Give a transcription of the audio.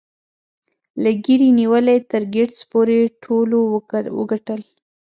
له ګيري نیولې تر ګیټس پورې ټولو وګټل